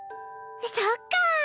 そっか。